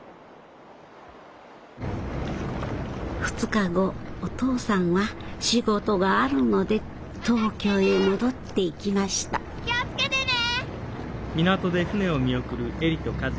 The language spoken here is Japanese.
２日後お父さんは仕事があるので東京へ戻っていきました気をつけてね！